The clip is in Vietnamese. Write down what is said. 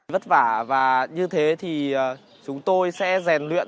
vất vả và như thế thì chúng tôi sẽ rèn luyện